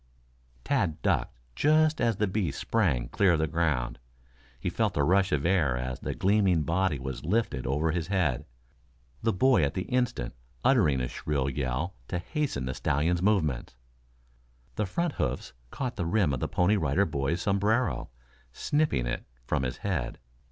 Tad ducked just as the beast sprang clear of the ground. He felt the rush of air as the gleaming body was lifted over his head, the boy at the instant uttering a shrill yell to hasten the stallion's movements. The front hoofs caught the rim of the Pony Rider Boy's sombrero, snipping it from his head.